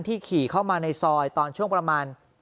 ขี่เข้ามาในซอยตอนช่วงประมาณ